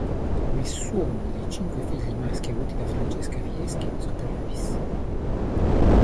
Nessuno dei cinque figli maschi avuti da Francesca Fieschi sopravvisse.